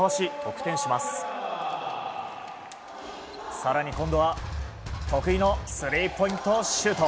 更に今度は得意のスリーポイントシュート。